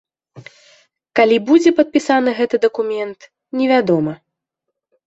Калі будзе падпісаны гэты дакумент, невядома.